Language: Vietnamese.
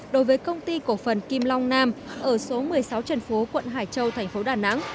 đối với công ty cổ phần kim long nam ở số một mươi sáu trần phố quận hải châu tp đà nẵng